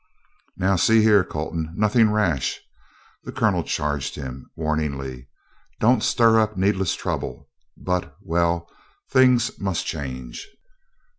"Now, see here, Colton, nothing rash," the Colonel charged him, warningly. "Don't stir up needless trouble; but well, things must change."